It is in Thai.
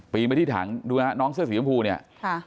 ไปที่ถังดูฮะน้องเสื้อสีชมพูเนี่ยค่ะ